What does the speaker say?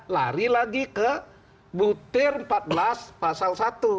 lari lagi ke butir empat belas pasal satu